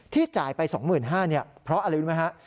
จ่ายไป๒๕๐๐บาทเพราะอะไรรู้ไหมฮะ